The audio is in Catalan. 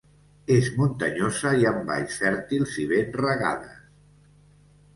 És muntanyosa i amb valls fèrtils i ben regades.